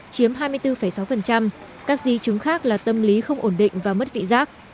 chiếm hai mươi bốn sáu các di chứng khác là tâm lý không ổn định và mất vị giác